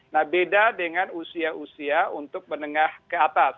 nah beda dengan usia usia untuk menengah ke atas